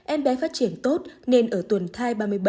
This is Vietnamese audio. em bé phát triển tốt nên ở tuần thai ba mươi bốn